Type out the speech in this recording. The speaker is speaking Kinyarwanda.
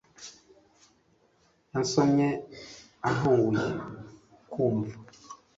yansomye antunguye nkumva